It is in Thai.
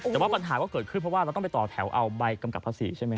แต่ว่าปัญหาก็เกิดขึ้นเพราะว่าเราต้องไปต่อแถวเอาใบกำกับภาษีใช่ไหม